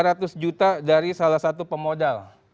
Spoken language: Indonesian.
dan lima ratus juta dari salah satu pemodal